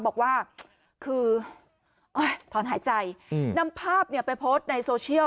บอกว่าคือถอนหายใจนำภาพไปโพสต์ในโซเชียล